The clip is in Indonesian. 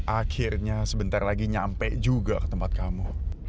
akhirnya sebentar lagi nyampe juga ke tempat kamu